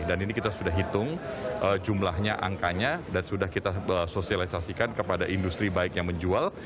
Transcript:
ini kita sudah hitung jumlahnya angkanya dan sudah kita sosialisasikan kepada industri baik yang menjual